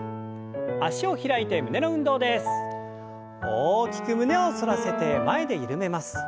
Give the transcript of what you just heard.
大きく胸を反らせて前で緩めます。